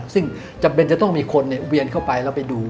ซึ่งจำเป็นจะต้องมีคนเวียนเข้าไปแล้วไปดู